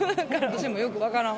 私もよく分からん。